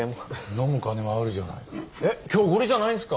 飲む金はあるじゃないか。